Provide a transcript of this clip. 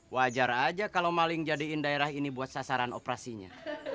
wajar aja kalau maling jadiin daerah ini buat sasaran operasinya